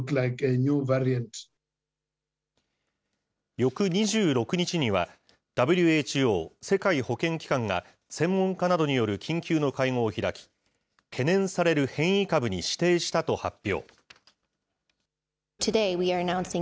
翌２６日には、ＷＨＯ・世界保健機関が専門家などによる緊急の会合を開き、懸念される変異株に指定したと発表。